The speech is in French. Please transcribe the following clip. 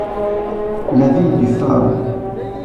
La ville du Faou.